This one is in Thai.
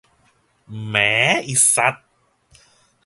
แหมอิสัส